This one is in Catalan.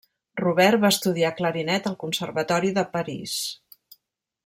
Robert va estudiar clarinet al conservatori de Paris.